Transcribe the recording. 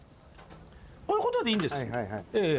こういうことでいいんです。